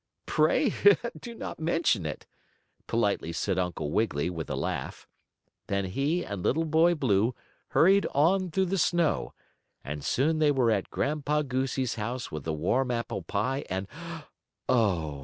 "Pray do not mention it," politely said Uncle Wiggily with a laugh. Then he and little Boy Blue hurried on through the snow, and soon they were at Grandpa Goosey's house with the warm apple pie, and oh!